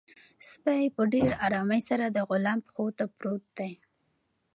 سپی په ډېر ارامۍ سره د غلام پښو ته پروت دی.